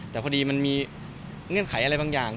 แต่พอดีมันมีเงื่อนไขอะไรบางอย่าง